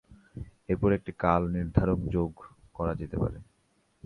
এরপর একটি কাল নির্ধারক যোগ করা যেতে পারে।